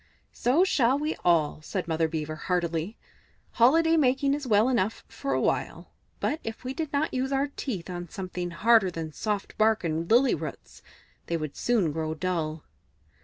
"So shall we all," said Mother Beaver heartily. "Holiday making is well enough for a while, but if we did not use our teeth on something harder than soft bark and lily roots, they would soon grow dull."